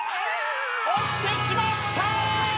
落ちてしまった！